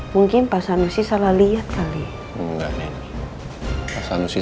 mungkin pak sanusi salah lihat kali nggak nenek